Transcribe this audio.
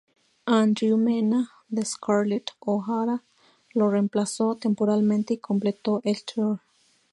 Andrew Mena, de Scarlett O'Hara lo reemplazó temporalmente y completó el tour.